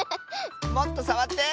もっとさわって！